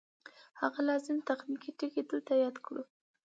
هغه لازم تخنیکي ټکي دلته یاد کړو